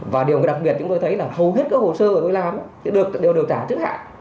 và điều đặc biệt chúng tôi thấy là hầu hết các hồ sơ ở tôi làm đều điều trả trước hạn